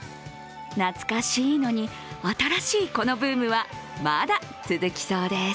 懐かしいのに新しいこのブームははまだ続きそうです。